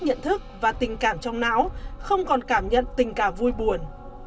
nhận thức và tình cảm trong não không còn cảm nhận tình cảm vui buồn